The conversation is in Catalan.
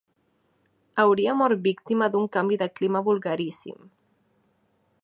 Hauria mort víctima d'un canvi de clima vulgaríssim.